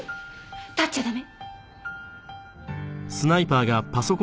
立っちゃ駄目！